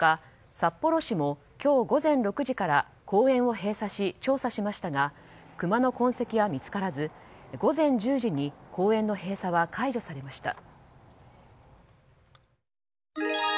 札幌市も今日午前６時から公園を閉鎖し調査しましたがクマの痕跡は見つからず午前１０時に公園の閉鎖は解除されました。